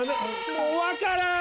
もうわからん！